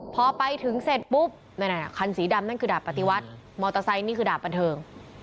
พอไปถึงเสร็จปุ๊บคันสีดำนั่นคือดาบปฏิวัติมอเตอร์ไซค์นี่คือดาบบันเทิง